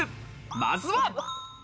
まずは。